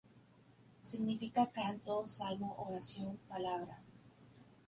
Significa canto, salmo, oración, palabra.